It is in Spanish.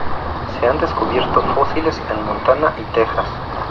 Se han descubierto fósiles en Montana y Texas.